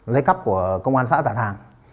lấy cắp của công an xã tà thàng